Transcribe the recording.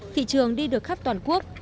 thị trường đi được khắp toàn quốc